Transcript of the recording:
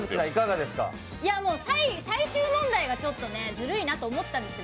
最終問題がちょっとずるいなと思ったんです